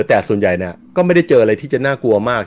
แต่ส่วนใหญ่เนี่ยก็ไม่ได้เจออะไรที่จะน่ากลัวมาก